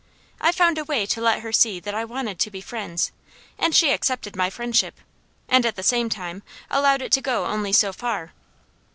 I found a way to let her see that I wanted to be friends, and she accepted my friendship, and at the same time allowed it go only so far.